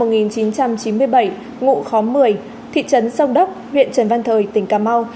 từ năm một nghìn chín trăm chín mươi bảy ngụ khóm một mươi thị trấn sông đốc huyện trần văn thời tỉnh cà mau